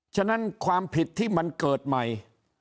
ฉะนั้นความผิดที่มันเกิดใหม่